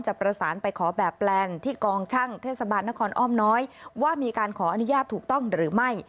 ประสานไปขอแบบแปลนที่กองช่างเทศบาลนครอ้อมน้อยว่ามีการขออนุญาตถูกต้องหรือไม่